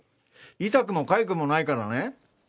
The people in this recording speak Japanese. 痛くもかゆくもないからね。